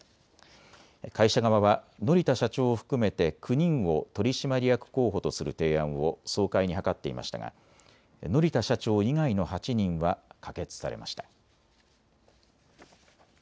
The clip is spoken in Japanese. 会社側は乘田社長を含めて９人を取締役候補とする提案を総会に諮っていましたが乘田社長以外の８人は可決されました。